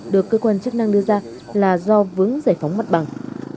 được cơ quan chức năng đưa ra là do vướng giải phóng mặt bằng